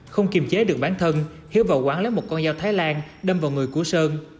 không kiềm chế được bản thân hiếu vào quán lấy một con dao thái lan đâm vào người của sơn